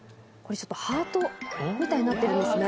ハートみたいになってるんですね